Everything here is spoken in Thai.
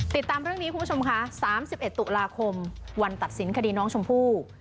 ติดตามเรื่องนี้คุณผู้ชมค่ะ๓๑ตุลาคมวันตัดสินคดีน้องชมพู่